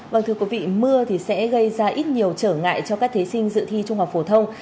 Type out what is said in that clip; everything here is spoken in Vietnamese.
vâng thưa quý vị mưa thì sẽ gây ra ít nhiều trở ngại cho các thí sinh dự thi trung học phổ thông